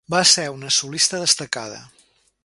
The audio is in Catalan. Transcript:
Va ser una solista destacada.